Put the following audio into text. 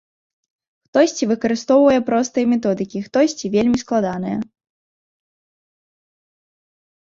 Хтосьці выкарыстоўвае простыя методыкі, хтосьці вельмі складаныя.